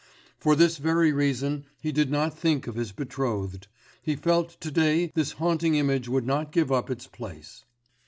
For this very reason he did not think of his betrothed; he felt to day this haunting image would not give up its place.